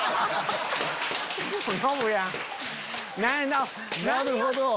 なるほど！